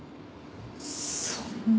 そんな。